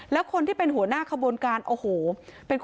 แล้วคนที่เป็นหัวหน้าขบวนการโอ้โห